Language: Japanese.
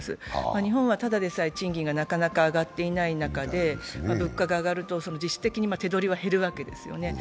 日本はただでさえ賃金がなかなか上がっていない中で物価が上がると、実質的に手取りは減るわけですよね。